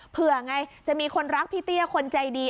เผื่อไงจะมีคนรักพี่เตี้ยคนใจดี